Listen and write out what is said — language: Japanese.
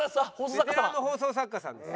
ベテランの放送作家さんです。